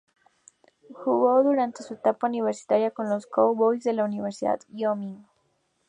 Jugó durante su etapa universitaria con los "Cowboys" de la Universidad de Wyoming.